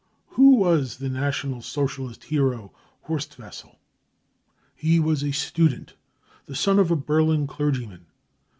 Who was the National Socialist " hero " Horst Wessel ? He was a student, the son of a Berlin clergyman.